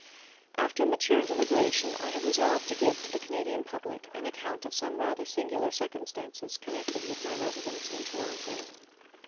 After mature deliberation, I have resolved to give to the Canadian public an account of some rather singular circumstances connected with my residence in Toronto.